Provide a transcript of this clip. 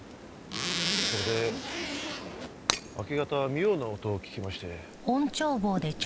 それで明け方妙な音を聞きまして。